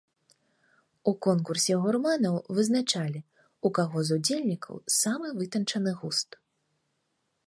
У конкурсе гурманаў вызначалі, у каго з удзельнікаў самы вытанчаны густ.